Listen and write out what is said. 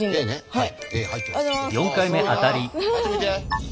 はい。